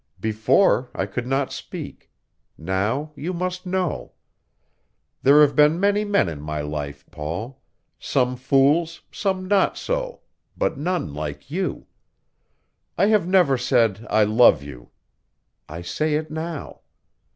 Before, I could not speak; now you must know. There have been many men in my life, Paul; some fools, some not so, but none like you. I have never said, 'I love you.' I say it now.